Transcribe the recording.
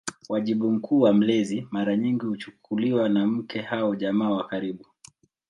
Wajibu mkuu wa mlezi mara nyingi kuchukuliwa na mke au jamaa wa karibu.